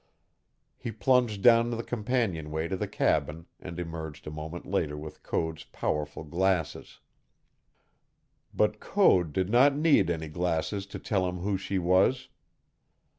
He plunged down the companionway to the cabin and emerged a moment later with Code's powerful glasses. But Code did not need any glasses to tell him who she was.